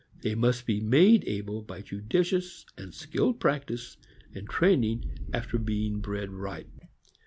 They must be made able by judicious and skilled practice and training after being bred right.